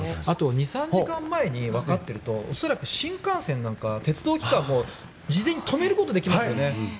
２３時間前に分かっていると恐らく新幹線や鉄道を事前に止めることができますね。